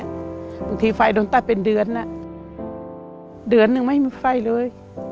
บางทีไฟโดนตัดเป็นเดือนเดือนหนึ่งไม่มีไฟเลย